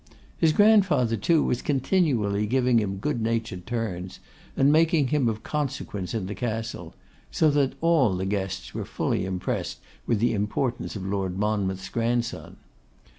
His grandfather, too, was continually giving him goodnatured turns, and making him of consequence in the Castle: so that all the guests were fully impressed with the importance of Lord Monmouth's grandson.